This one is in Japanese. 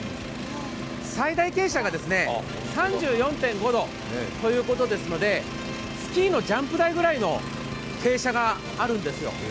最大傾斜が３４．５度ということですので、スキーのジャンプ台ぐらいの傾斜があるんですよ。